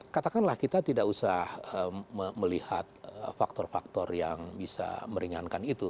katakanlah kita tidak usah melihat faktor faktor yang bisa meringankan itu